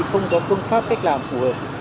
không có phương pháp cách làm phù hợp